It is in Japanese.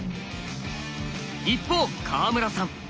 一方川村さん。